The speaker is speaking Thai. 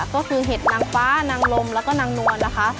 ก็คือเห็ดนางฟ้านางลมแล้วก็นางนวลนะคะ